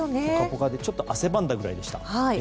ポカポカでちょっと汗ばんだくらいでした。